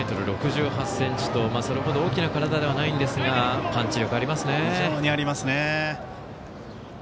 １ｍ６８ｃｍとそれほど大きな体ではないんですがパンチ力ありますね。